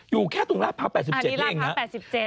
อยู่แค่ตรงระดเภา๘๗เนี่ยเองนะอันนี้ระดเภา๘๗